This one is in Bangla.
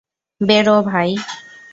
বেরও, ভাই।